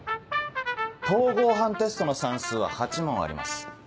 統合判テストの算数は８問あります。